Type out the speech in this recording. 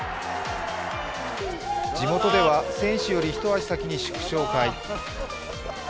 地元では選手より一足先に祝勝会。